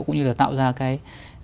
cũng như là tạo ra cái nguồn điện